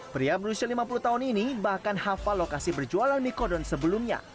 pria berusia lima puluh tahun ini bahkan hafal lokasi berjualan nikodon sebelumnya